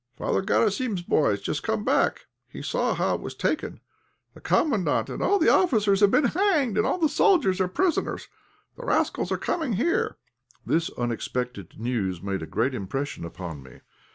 Father Garasim's boy has just come back. He saw how it was taken. The Commandant and all the officers have been hanged, all the soldiers are prisoners. The rascals are coming here." This unexpected news made a great impression upon me.